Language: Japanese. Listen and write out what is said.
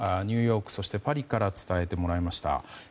ニューヨーク、そしてパリから伝えてもらいました。